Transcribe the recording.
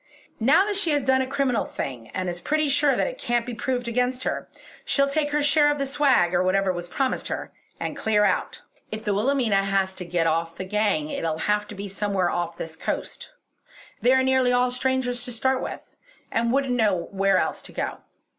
Now that she has done a criminal thing and is pretty sure that it can't be proved against her, she'll take her share of the swag, or whatever was promised her, and clear out. If the Wilhelmina has to get off the gang it'll have to be somewhere off this coast. They are nearly all strangers to start with, and wouldn't know where else to go.